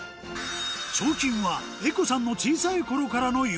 賞金は絵子さんの小さい頃からの夢